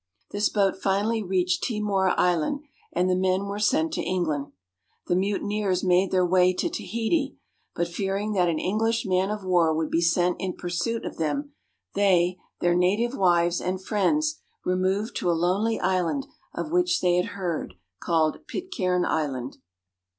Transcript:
This boat finally reached Timor Island, and the men were sent to England. The mutineers made their way to Tahiti, but fearing that an English man of war would be sent in pursuit of them, they, their native wives, and friends removed to a lonely island of which they had heard, called Pitcairn Island.